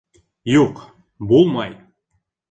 Юҡ, булмай.